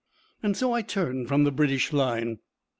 And so I turn from the British line.